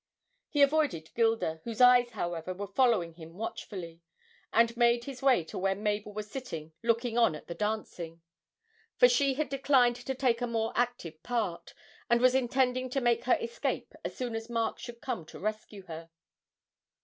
He avoided Gilda, whose eyes, however, were following him watchfully, and made his way to where Mabel was sitting looking on at the dancing; for she had declined to take a more active part, and was intending to make her escape as soon as Mark should come to rescue her.